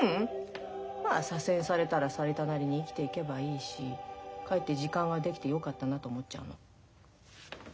まあ左遷されたらされたなりに生きていけばいいしかえって時間ができてよかったなと思っちゃうの。